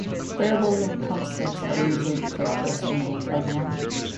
Variables and constants are usually declared first thing in a program.